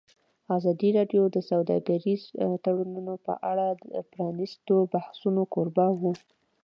ازادي راډیو د سوداګریز تړونونه په اړه د پرانیستو بحثونو کوربه وه.